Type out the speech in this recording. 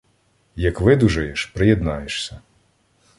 Як видужаєш — приєднаєшся.